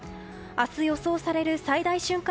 明日予想される最大瞬間